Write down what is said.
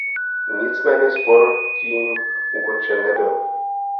Nicméně spor tím ukončen nebyl.